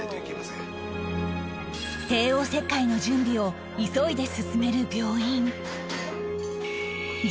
帝王切開の準備を急いで進める病院